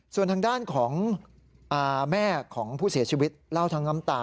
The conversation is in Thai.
ส่วนทางด้านของแม่ของผู้เสียชีวิตเล่าทั้งน้ำตา